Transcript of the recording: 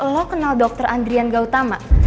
lo kenal dr andrian gautama